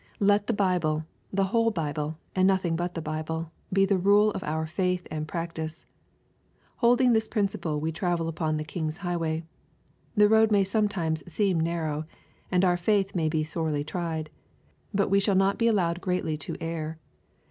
Let the Bible, the whole Bible, and nothing but the Bible, be the rule of our faith and practice. Holding this principle ' we travel upon the king's highway. The road may some times seem narrow, and our faith may be sorely tried, but we shall not be allowed greatly to err.